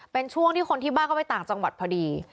เป็นช่วงที่คนที่บ้านเข้าไปต่างจังหวัดพอดี